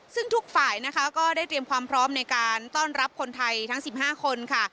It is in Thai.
ซึ่งทุกฝ่ายนะคะก็ได้เตรียมความพร้อมในการต้อนรับคนไทยทั้ง๑๕คนค่ะ